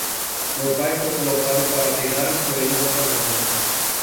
Meu pai foi colocado para pegar os coelhos na fazenda.